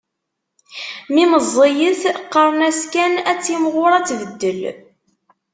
Mi meẓẓiyet, qqaren-as kan ad timɣur ad tbeddel